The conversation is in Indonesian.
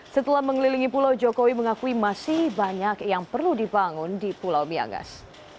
setelah mengelilingi pulau jokowi mengakui masih banyak yang perlu dibangun di pulau miangas